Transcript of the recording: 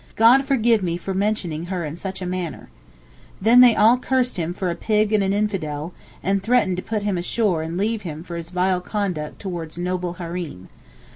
God forgive me for mentioning her in such a manner.' Then they all cursed him for a pig and an infidel, and threatened to put him ashore and leave him for his vile conduct towards noble Hareem.